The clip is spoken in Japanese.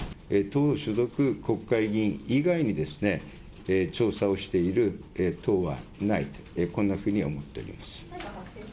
党所属国会議員以外に、調査をしている党はないと、こんなふうに思っております。